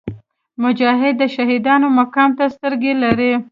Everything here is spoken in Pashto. مجاهد د شهیدانو مقام ته سترګې لري.